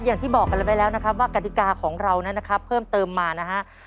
อย่างที่บอกกันไปแล้วนะครับว่ากฎิกาของเรานั้นนะครับเพิ่มเติมมานะฮะ